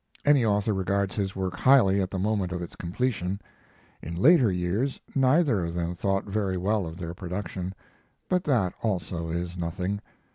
Any author regards his work highly at the moment of its completion. In later years neither of them thought very well of their production; but that also is nothing.